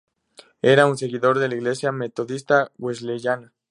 Era un seguidor de la Iglesia Metodista Wesleyana.